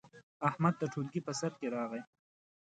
احمد د ټولګي په سر کې راغی.